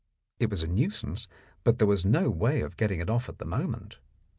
It was a nuisance, but there was no way to get it off at the moment.